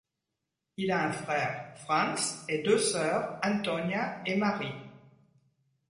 Il a un frère Franz et deux sœurs Antonia et Marie.